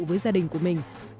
với gia đình của mỹ